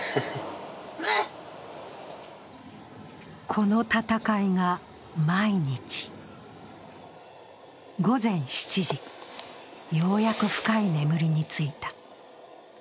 この闘いが毎日、午前７時、ようやく深い眠りについた。